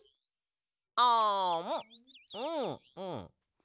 あむうんうん。